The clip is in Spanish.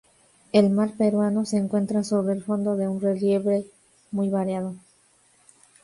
El mar peruano se encuentra sobre el fondo de un relieve muy variado.